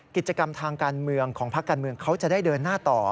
กิจกรรมทางการเมืองของพักการเมืองเขาจะได้เดินหน้าต่อ